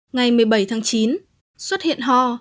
ngày một mươi bảy tháng chín xuất hiện ho